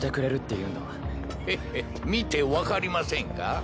ヘヘッ見て分かりませんか？